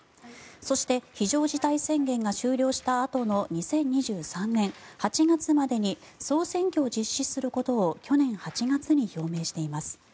そして、非常事態宣言が終了したあとの２０２３年８月までに総選挙を実施することを去年８月に表明しています。